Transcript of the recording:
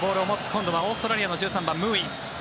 今度はオーストラリアの１３番ムーイ。